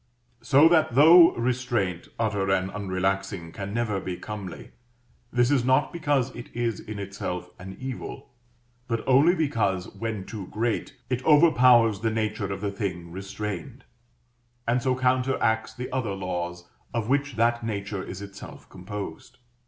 So that though restraint, utter and unrelaxing, can never be comely, this is not because it is in itself an evil, but only because, when too great, it overpowers the nature of the thing restrained, and so counteracts the other laws of which that nature is itself composed.